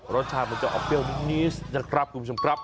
รสชาติมันจะออกเปรี้ยวนิดนะครับคุณผู้ชมครับ